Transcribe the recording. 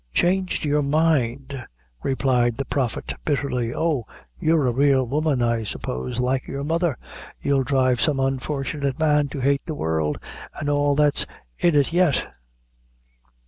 "Changed your mind!" replied the Prophet, bitterly. "Oh! you're a real woman, I suppose, like your mother; you'll drive some unfortunate man to hate the world an all that's in it yet?"